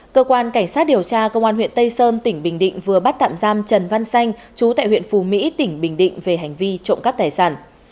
cơ quan cảnh sát điều tra công an huyện tây sơn tỉnh bình định vừa bắt tạm giam trần văn xanh chú tại huyện phù mỹ tỉnh bình định về hành vi trộm cắp tài sản